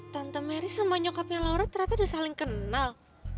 tante mary sama nyokapnya laura ternyata udah saling kenal